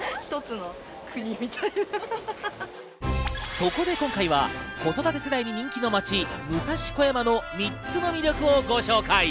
そこで今回は子育て世代に人気の街、武蔵小山の３つの魅力をご紹介。